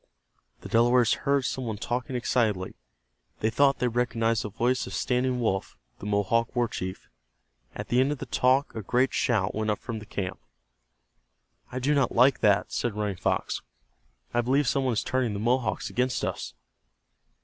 The Delawares heard some one talking excitedly. They thought they recognized the voice of Standing Wolf, the Mohawk war chief. At the end of the talk a great shout went up from the camp. "I do not like that," said Running Fox. "I believe some one is turning the Mohawks against us."